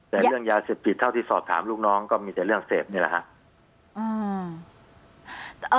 แต่เรื่องยาเสพติดเท่าที่สอบถามลูกน้องก็มีแต่เรื่องเสพนี่แหละครับ